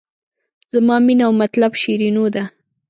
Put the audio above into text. زما مینه او مطلب شیرینو ده.